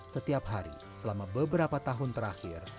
setiap hari selama beberapa tahun terakhir